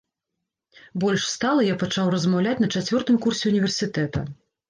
Больш стала я пачаў размаўляць на чацвёртым курсе ўніверсітэта.